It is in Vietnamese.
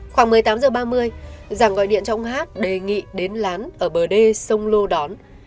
khoảng một mươi tám h ba mươi giảng gọi điện cho ông hát đề nghị đến lán ở bờ đê sông lô đón